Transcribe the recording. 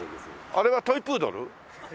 あれはトイプードル？